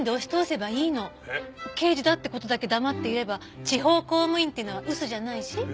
刑事だって事だけ黙っていれば地方公務員っていうのは嘘じゃないし。